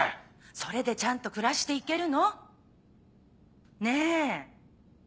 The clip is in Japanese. それでちゃんと暮らしていけるの？ねぇ！